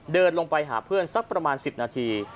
เดินลงไปหาเพื่อนสักประมาณ๑๐นาที